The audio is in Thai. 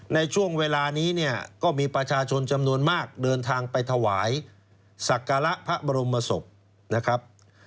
ในช่วงเวลานี้เนี่ยก็มีประชาชนจำนวนมากเดินทางไปถวายสักการะพระบรมศพนะครับ